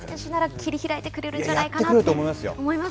切り開いてくれるんじゃないかと。